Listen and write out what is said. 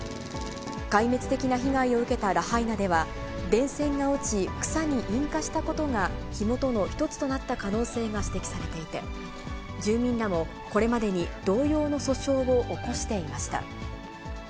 壊滅的な被害を受けたラハイナでは、電線が落ち、草に引火したことが火元の一つとなった可能性が指摘されていて、住民らもこれまでに同様の訴訟を起こしていました。